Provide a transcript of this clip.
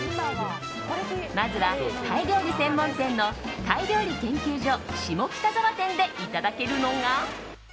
まずはタイ料理専門店のタイ料理研究所下北沢店でいただけるのが。